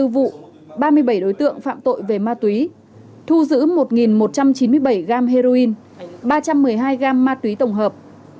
hai mươi bốn vụ ba mươi bảy đối tượng phạm tội về ma túy thu giữ một một trăm chín mươi bảy gam heroin ba trăm một mươi hai gam ma túy tổng hợp